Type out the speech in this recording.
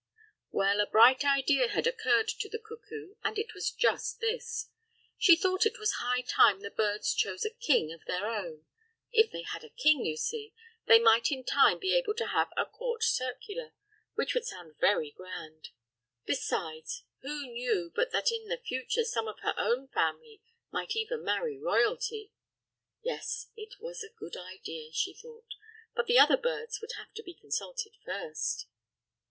Well, a bright idea had occurred to the cuckoo, and it was just this: She thought it was high time the birds chose a king of their own. If they had a king, you see, they might in time be able to have a "Court Circular," which would sound very grand. Besides, who knew but that in the future some of her own family might even marry royalty? Yes, it was a good idea, she thought, but the other birds would have to be consulted first.